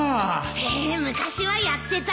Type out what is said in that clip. へえ昔はやってたの？